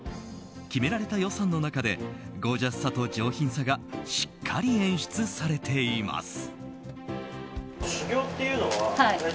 決められた予算の中でゴージャスさと上品さがしっかり演出されています。